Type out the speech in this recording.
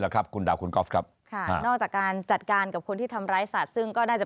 แล้วครับคุณดาวคุณก๊อฟครับค่ะนอกจากการจัดการกับคนที่ทำร้ายสัตว์ซึ่งก็น่าจะ